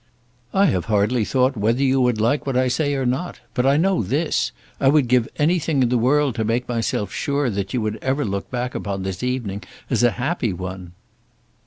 "I have hardly thought whether you would like what I say or not; but I know this; I would give anything in the world to make myself sure that you would ever look back upon this evening as a happy one."